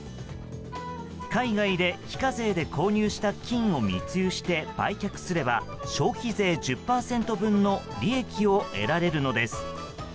海外で非課税で購入した金を密輸して売却すれば、消費税１０％分の利益を得られるのです。